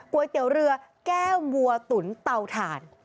ก๋วยเตี๋ยวเรือแก้มวัวตุ๋นเตาถ่าน